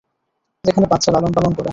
যেখানে বাচ্চা লালনপালন করে।